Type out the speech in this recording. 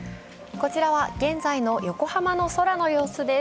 こちらは現在の横浜の空の様子です。